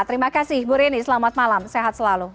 terima kasih bu rini selamat malam sehat selalu